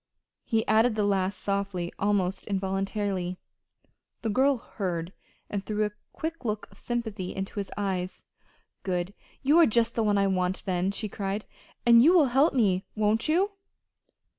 He added the last softly, almost involuntarily. The girl heard, and threw a quick look of sympathy into his eyes. "Good! You are just the one I want, then," she cried. "And you will help me; won't you?"